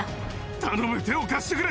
頼む、手を貸してくれ。